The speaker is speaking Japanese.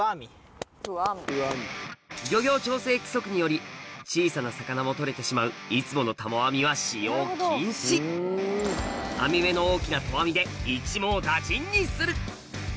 漁業調整規則により小さな魚も捕れてしまういつものタモ網は使用禁止編み目の大きな投網で一網打尽にする！